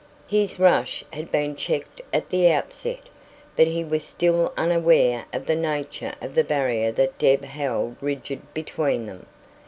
His rush had been checked at the outset, but he was still unaware of the nature of the barrier that Deb held rigid between them.